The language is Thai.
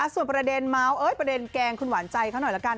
ส่วนประเด็นแกงคุณหวานใจเขาหน่อยละกัน